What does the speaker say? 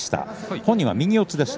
本人は右四つですと。